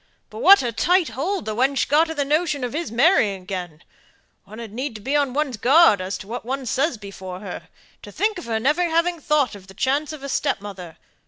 "But what a tight hold the wench got of the notion of his marrying again! One had need be on one's guard as to what one says before her. To think of her never having thought of the chance of a stepmother.